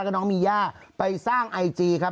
แล้วก็น้องมีย่าไปสร้างไอจีครับ